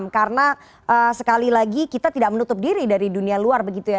karena sekali lagi kita tidak menutup diri dari dunia luar begitu ya